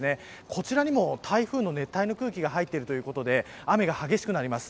こちらにも台風の熱帯の空気が入っていることで雨が激しくなります。